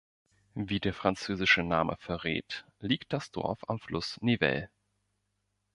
Wie der französische Name verrät, liegt das Dorf am Fluss Nivelle.